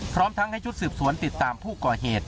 พร้อมทั้งให้ชุดสืบสวนติดตามผู้ก่อเหตุ